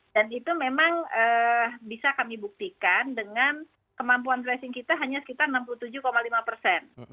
dan itu memang bisa kami buktikan dengan kemampuan tracing kita hanya sekitar enam puluh tujuh lima persen